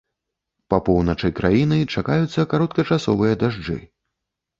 Па поўначы краіны чакаюцца кароткачасовыя дажджы.